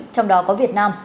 trong đó có việt nam